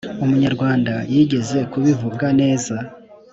umunyarwanda yigeze kubivuga neza